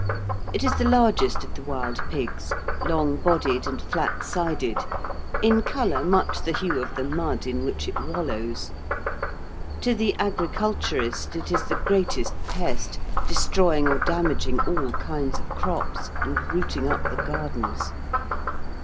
It is the largest of the wild pigs, long bodied and flat sided, in colour much the hue of the mud in which it wallows. To the agriculturist it is the greatest pest, destroying or damaging all kinds of crops, and routing up the gardens.